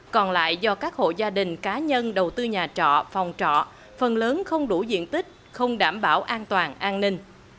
còn lại do các hộ gia đình cá nhân đầu tư nhà trọ phòng trọ phần lớn không đủ diện tích không đảm bảo an toàn an ninh